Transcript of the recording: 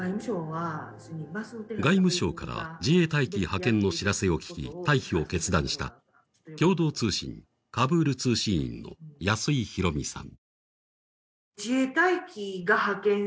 外務省から自衛隊機派遣の知らせを聞き、退避を決断した共同通信カブール通信員の安井浩美さん。